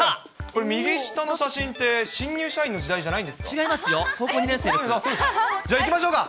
これ、右下の写真って新入社員の時代じゃないんですか？